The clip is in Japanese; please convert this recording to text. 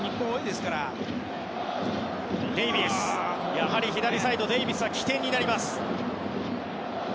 やはり左サイドのデイビスが起点になります。